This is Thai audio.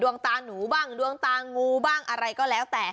ตาหนูบ้างดวงตางูบ้างอะไรก็แล้วแต่